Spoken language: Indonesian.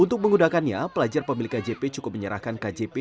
untuk menggunakannya pelajar pemilik kjp cukup menyerahkan kjp